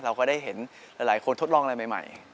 เราก็ได้เห็นหลายคนทดลองอะไรใหม่